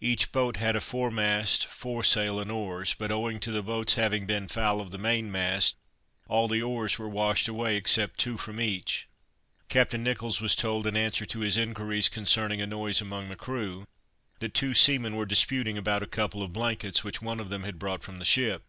Each boat had a foremast, foresail and oars; but owing to the boats having been foul of the main mast, all the oars were washed away except two from each. Captain Nicholls was told, in answer to his inquiries concerning a noise among the crew, that two seamen were disputing about a couple of blankets, which one of them had brought from the ship.